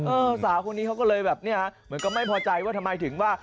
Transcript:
สาวคนนี้เขาก็เลยแบบเนี่ยเหมือนกับไม่พอใจว่าทำไมถึงว่า